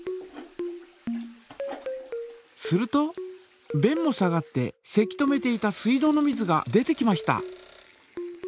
するとべんも下がってせき止めていた水道の水が出てきました。